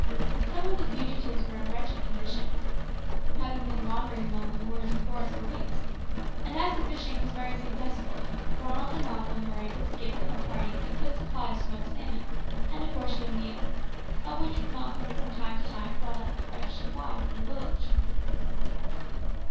Some of the fugitives were in wretched condition, having been wandering among the moors and forests for weeks, and as the fishing was very successful, Ronald and Malcolm were able to give them at parting a good supply of smoked salmon, and a portion of meal, of which Malcolm from time to time brought a fresh supply up from the village.